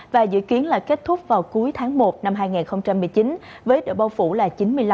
và dự kiến là kết thúc vào cuối tháng một năm hai nghìn một mươi chín với độ bao phủ là chín mươi năm